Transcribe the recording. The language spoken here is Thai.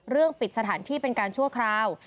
ปิดสถานที่เป็นการชั่วคราว